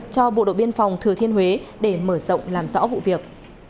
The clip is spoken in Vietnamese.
cho bộ đội biên phòng thừa thiên huế để mở rộng làm rõ vụ việc